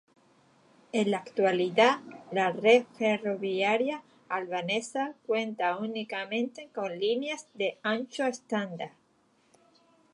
En la actualidad, la red ferroviaria albanesa cuenta únicamente con líneas de ancho estándar.